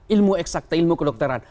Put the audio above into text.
ilmu eksakta ilmu kedokteran